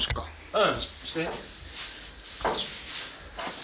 うん、して。